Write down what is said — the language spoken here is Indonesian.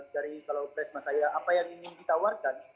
dari kalau presma saya apa yang ingin ditawarkan